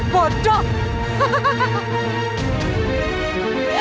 ibu tak akan bodoh